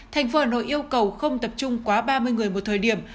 thành phố hà nội yêu cầu không tập trung quá ba mươi người một thời điểm